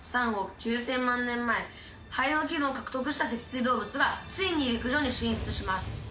３億９０００万年前肺の機能を獲得した脊椎動物がついに陸上に進出します。